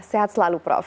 sehat selalu prof